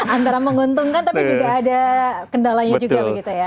antara menguntungkan tapi juga ada kendalanya juga begitu ya